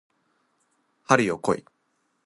春よ来い